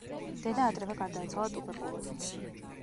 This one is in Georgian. დედა ადრევე გარდაეცვალა ტუბერკულოზით.